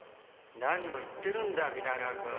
何を言ってるんだ皆川君。